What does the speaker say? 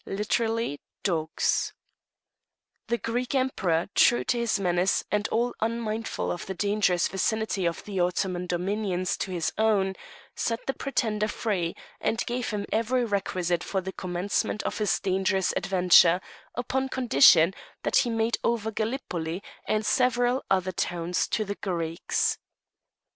* The Greek Emperor, true to his menace, and all unmindful of the dangerous vicinity of the Ottoman dominions to his own, set the pretender free, and gave him every requisite for the commencement of his dangerous adventure, upon condition that he made over Gallipoli, and several other towns, to the Greeks. * Infidels; literally, dogs.